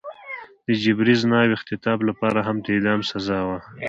د جبري زنا او اختطاف لپاره هم د اعدام سزا وه.